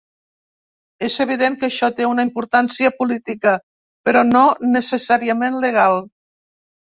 És evident que això té una importància política, però no necessàriament legal.